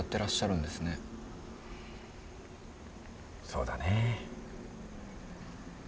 そうだねぇ。